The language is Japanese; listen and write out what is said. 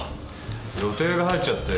予定が入っちゃって。